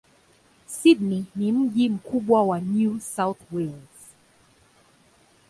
Sydney ni mji mkubwa wa New South Wales.